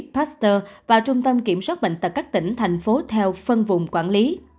pasteur và trung tâm kiểm soát bệnh tật các tỉnh thành phố theo phân vùng quản lý